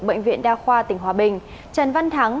bệnh viện đa khoa tỉnh hòa bình trần văn thắng